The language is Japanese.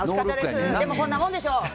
でもこんなもんでしょう。